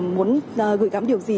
muốn gửi gắm điều gì